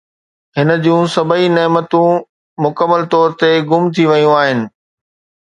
هن جون سڀئي نعمتون مڪمل طور تي گم ٿي ويون آهن